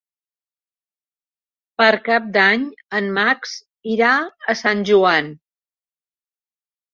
Per Cap d'Any en Max irà a Sant Joan.